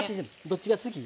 どっちが好き？